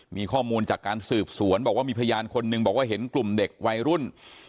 มีข้อมูลจากการสืบสวนบอกว่ามีพยานคนหนึ่งบอกว่าเห็นกลุ่มเด็กวัยรุ่น